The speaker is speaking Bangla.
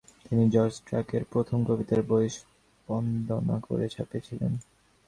তিনি জর্জ ট্রাক্ল এর প্রথম কবিতার বই সম্পাদনা করে ছাপিয়েছিলেন ।